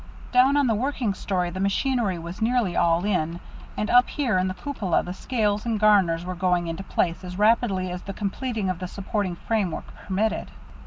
Down on the working story the machinery was nearly all in, and up here in the cupola the scales and garners were going into place as rapidly as the completing of the supporting framework permitted.